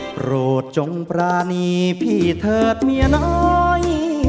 โปรดจงปรานีพี่เถิดเมียน้อย